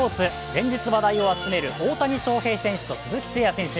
連日話題を集める大谷翔平選手と鈴木誠也選手。